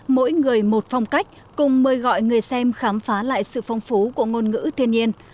mỗi người một phong cách cùng mời gọi người xem khám phá lại sự phong phú của ngôn ngữ thiên nhiên